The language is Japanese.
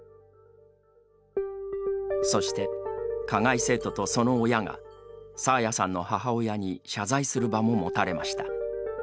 そして、加害生徒とその親が爽彩さんの母親に謝罪する場も持たれました。